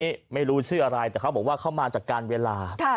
นี่ไม่รู้ชื่ออะไรแต่เขาบอกว่าเขามาจากการเวลา